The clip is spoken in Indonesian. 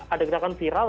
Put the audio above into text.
ada gerakan viral